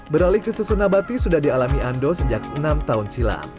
beralih ke susun nabati sudah dialami ando sejak enam tahun silam